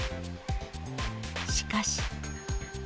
しかし。